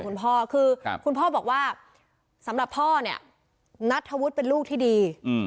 คุณพ่อคือคุณพ่อบอกว่าสำหรับพ่อเนี่ยนัทธวุฒิเป็นลูกที่ดี